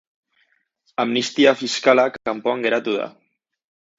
Amnistia fiskala kanpoan geratu da.